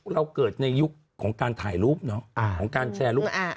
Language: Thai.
เราเกิดในยุคของการถ่ายรูปเนาะของการแชร์รูป